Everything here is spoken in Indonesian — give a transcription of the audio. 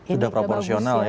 sudah proporsional ya